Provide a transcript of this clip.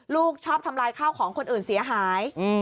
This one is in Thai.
ลูกชอบทำลายข้าวของคนอื่นเสียหาย